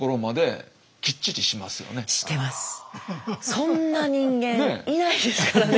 そんな人間いないですからね